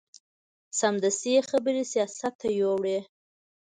سمدستي یې خبرې سیاست ته یوړې.